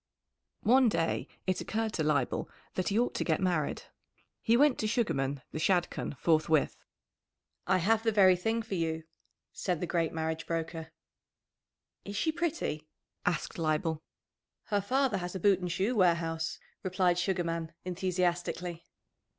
_ One day it occurred to Leibel that he ought to get married. He went to Sugarman the Shadchan forthwith. "I have the very thing for you," said the great marriage broker. "Is she pretty?" asked Leibel. "Her father has a boot and shoe warehouse," replied Sugarman enthusiastically.